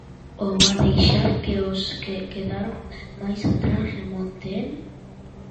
Ou a deixar que os que quedaron máis atrás remonten?